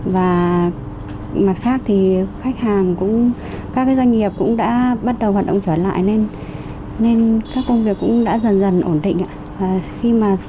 và mặt khác thì khách hàng cũng các doanh nghiệp cũng đã bắt đầu hoạt động trở lại nên các công việc cũng đã dần dần ổn định